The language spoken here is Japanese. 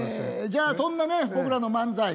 じゃあそんなね僕らの漫才